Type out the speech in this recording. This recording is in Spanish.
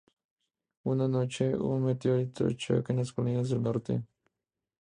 Una noche, un meteorito choca en las colinas al norte.